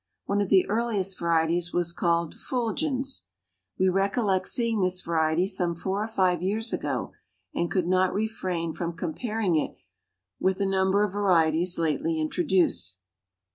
One of the early varieties was called Fulgens. We recollect seeing this variety some four or five years ago, and could not refrain from comparing it with a number of varieties lately introduced.